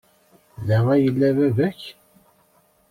Da ay yella baba-k?